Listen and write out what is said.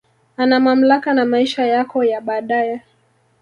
Ana mamlaka na maisha yako ya baadae